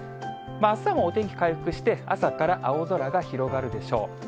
あすはもうお天気回復して、朝から青空が広がるでしょう。